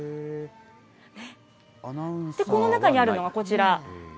この中にあるのがこちら。